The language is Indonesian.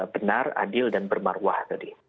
benar adil dan bermarwah tadi